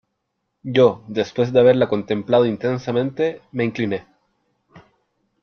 yo , después de haberla contemplado intensamente , me incliné .